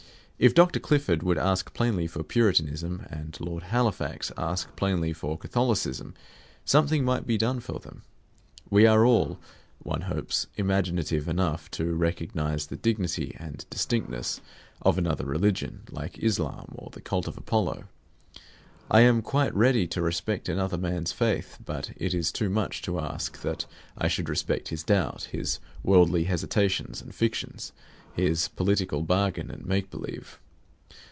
If Dr. Clifford would ask plainly for Puritanism and Lord Halifax ask plainly for Catholicism, something might be done for them. We are all, one hopes, imaginative enough to recognize the dignity and distinctness of another religion, like Islam or the cult of Apollo. I am quite ready to respect another man's faith; but it is too much to ask that I should respect his doubt, his worldly hesitations and fictions, his political bargain and make believe.